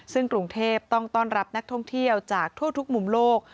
ซึ่งกรุงเทพต้องต้อนรับนักท่องเที่ยวจากทั่วทุกมุมโลก